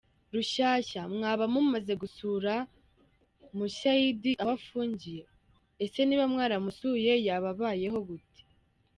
Rushyashya :Mwaba mumaze gusura Mushyayidi aho afungiye ?ese niba mwaramusuye yaba abayeho gute ?